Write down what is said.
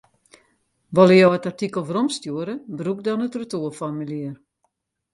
Wolle jo it artikel weromstjoere, brûk dan it retoerformulier.